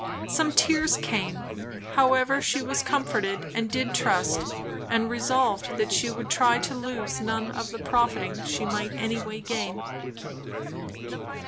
Some tears came; however she was comforted and did trust, and resolved that she would try to lose none of the profiting she might anyway gain.